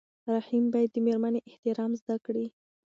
رحیم باید د مېرمنې احترام زده کړي.